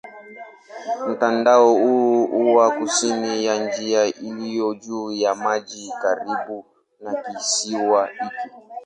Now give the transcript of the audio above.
Mtandao huu huwa kusini ya njia iliyo juu ya maji karibu na kisiwa hiki.